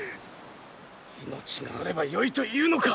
命があればよいというのか！